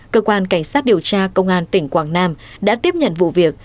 cơ quan cảnh sát điều tra công an tỉnh quảng nam đã tiếp nhận vụ việc